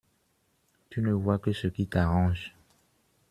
Tu ne vois que ce qui t’arrange.